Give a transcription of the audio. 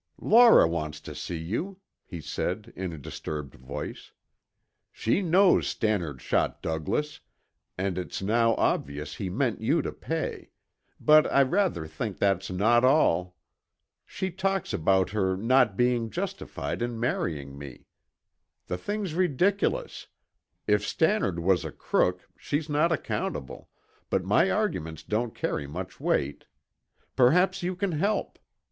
"Laura wants to see you," he said in a disturbed voice. "She knows Stannard shot Douglas, and it's now obvious he meant you to pay; but I rather think that's not all. She talks about her not being justified in marrying me. The thing's ridiculous; if Stannard was a crook, she's not accountable, but my arguments don't carry much weight. Perhaps you can help.